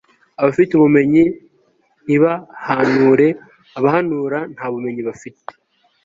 abafite ubumenyi, ntibahanure. abahanura, nta bumenyi bafite.